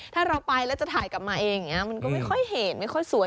ถ้าเราไปแล้วจะถ่ายกลับมาเองอย่างนี้มันก็ไม่ค่อยเห็นไม่ค่อยสวย